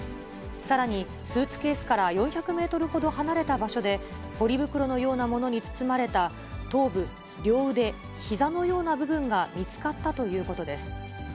さらにスーツケースから４００メートルほど離れた場所で、ポリ袋のようなものに包まれた頭部、両腕、ひざのような部分が見つかったということです。